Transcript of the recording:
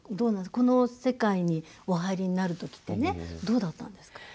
この世界にお入りになる時ってどうだったんですか？